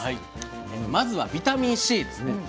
まずはビタミンＣですね。